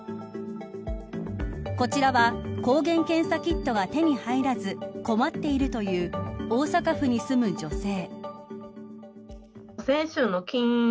こちらは抗原検査キットが手に入らず困っているという大阪府に住む女性。